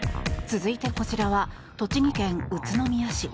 続いてこちらは栃木県宇都宮市。